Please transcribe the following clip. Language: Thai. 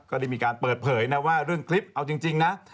ก็ได้มีการเปิดเผยนะว่าเรื่องคลิปเอาจริงนะ